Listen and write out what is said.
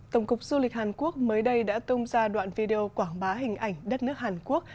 tổng cục du lịch hàn quốc mới đây đã tung ra đoạn video quảng bá hình ảnh đất nước hàn quốc